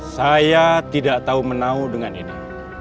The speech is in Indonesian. saya tidak tahu menau dengan ini